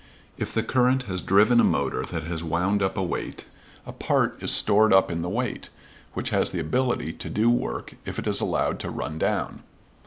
If the current has driven a motor that has wound up a weight, a part is stored up in the weight, which has the ability to do work if it is allowed to run down.